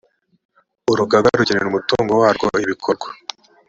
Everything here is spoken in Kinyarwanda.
urugaga rugenera umutungo warwo ibikorwa